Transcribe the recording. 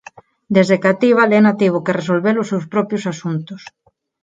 Desde cativa Lena tivo que resolver os seus propios asuntos.